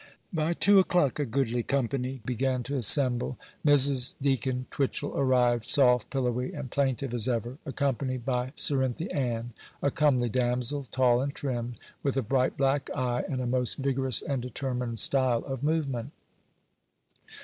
By two o'clock a goodly company began to assemble. Mrs. Deacon Twitchel arrived, soft, pillowy, and plaintive as ever, accompanied by Cerinthy Ann, a comely damsel, tall and trim, with a bright black eye and a most vigorous and determined style of movement.